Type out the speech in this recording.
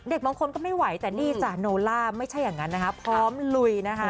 เด็กบางคนก็ไม่ไหวแต่นี่สาวโนลาไม่ใช่อย่างนั้นพร้อมลุยนะคะ